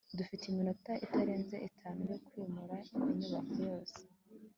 dufite iminota itarenze itanu yo kwimura inyubako yose